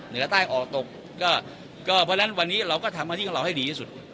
เหนือใต้ออกตกก็เพราะฉะนั้นวันนี้เราก็ทำหน้าที่ของเราให้ดีที่สุด